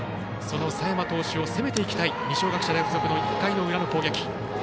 その佐山投手を攻めていきたい二松学舎大付属の１回の裏の攻撃。